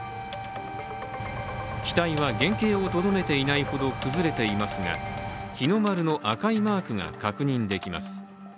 機体は原形をとどめていないほど崩れていますが日の丸の赤いマークが確認できます。